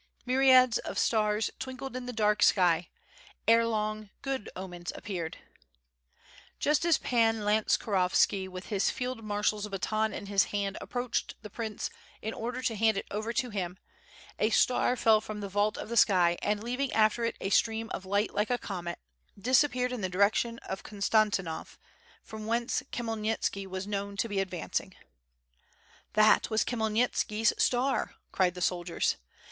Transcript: Myriads of stars twinkled in the dark sky; ere long good omens appeared. Just as Pan Lants korovski with his field • marshal's baton in his hand ap proached the prince in order to hand it over to him, a star fell from the vault of the sky and leaving after it a stream of light like a comet, disappeared in the direction of Kon stantinov, from whence Khmyelnitski was known to be ad vancing. "That was Khmyelnitski's star," cried the soldiers.